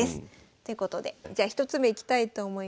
ということでじゃあ１つ目いきたいと思います。